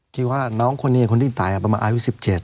คิดว่าน้องคนนี้คนที่ตายประมาณอายุ๑๗